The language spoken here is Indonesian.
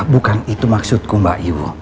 bukan itu maksudku mbak iwo